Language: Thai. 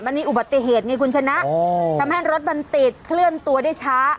อันนี้อุบัติเหตุไงคุณชนะทำให้รถมันติดเคลื่อนตัวได้ช้า